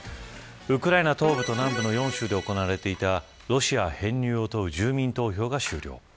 ウクライナ東部と南部の４州で行われていた、ロシア編入を問う住民投票が終了。